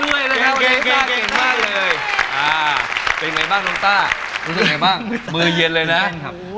ว่าไงบ้างน้องตารู้สึกไงบ้างเมื่อเย็นเลยนะ